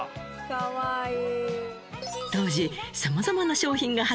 かわいい。